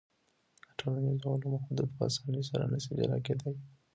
د ټولنیزو علومو حدود په اسانۍ سره نسي جلا کېدای.